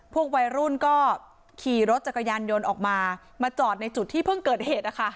พวกวัยรุ่นก็ขี่รถจักรยานยนต์ออกมามาจอดในจุดที่เพิ่งเกิดเหตุนะคะ